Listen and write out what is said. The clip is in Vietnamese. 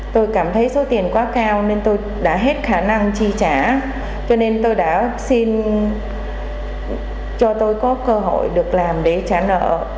tôi cảm thấy số tiền quá cao nên tôi đã hết khả năng chi trả cho nên tôi đã xin cho tôi có cơ hội được làm để trả nợ